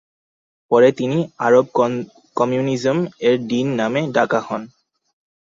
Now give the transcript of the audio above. পরে তিনি "Arab communism এর ডিন নামে ডাকা হন।"